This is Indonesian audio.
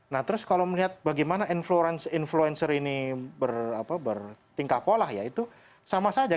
nah terus kalau melihat bagaimana influencer ini bertingkah pola ya itu sama saja